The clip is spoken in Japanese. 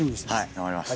頑張ります。